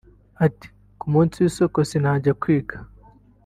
Ati” Ku munsi w’isoko sinajyaga kwiga